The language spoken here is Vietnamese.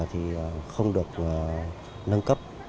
thì không được nâng cấp